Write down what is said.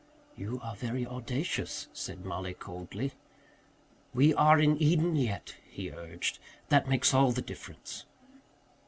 "You are very audacious," said Mollie coldly. "We are in Eden yet," he urged. "That makes all the difference."